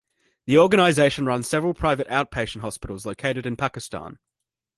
The organization runs several private outpatient hospitals located in Pakistan.